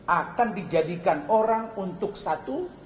akan dijadikan orang untuk satu